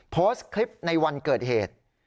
โพสต์คลิปในวันเกิดเหตุ